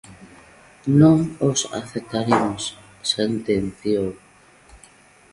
"Non os aceptaremos", sentenciou.